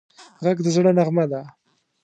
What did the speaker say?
غږ د زړه نغمه ده